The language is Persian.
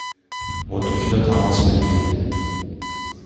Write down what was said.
با دکتر تماس بگیرید!